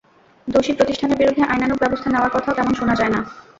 দোষী প্রতিষ্ঠানের বিরুদ্ধে আইনানুগ ব্যবস্থা নেওয়ার কথাও তেমন শোনা যায় না।